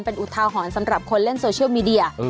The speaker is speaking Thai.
เป็นอุทาหรณ์สำหรับคนเล่นโซเชียลมีเดีย